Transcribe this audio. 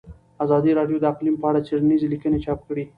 ازادي راډیو د اقلیم په اړه څېړنیزې لیکنې چاپ کړي.